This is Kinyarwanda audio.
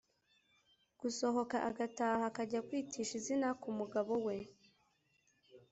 gusohoka agataha akajya kwitisha izina ku mugabo we.